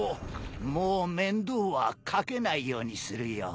もう面倒はかけないようにするよ